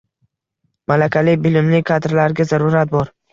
Malakali, bilimli kadrlarga zarurat bor.